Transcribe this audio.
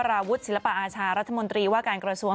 ราวุฒิศิลปะอาชารัฐมนตรีว่าการกระทรวง